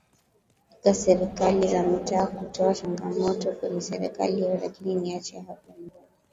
ika serikali za mitaa kutoa changamoto kwenye serikali hiyo lakini niache hapo narudi